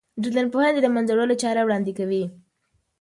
د ټولنپوهنه د له منځه وړلو چاره وړاندې کوي.